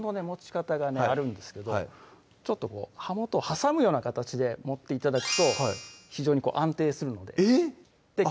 持ち方がねあるんですけどちょっとこう刃元をはさむような形で持って頂くと非常に安定するのでえっ？